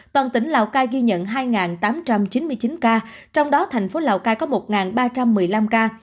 toàn tỉnh lào cai ghi nhận hai tám trăm chín mươi chín ca trong đó thành phố lào cai có một ba trăm một mươi năm ca